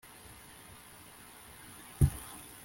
nr kdwdqjl zd d mocratie